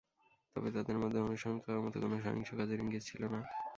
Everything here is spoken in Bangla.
তবে তাদের মধ্যে অনুসরণ করার মতো কোনো সহিংস কাজের ইঙ্গিত ছিলনা।